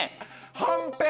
はんぺん。